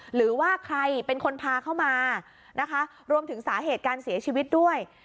หรือว่าใครเป็นคนพาเข้ามานะคะรวมถึงสาเหตุการเสียชีวิตด้วย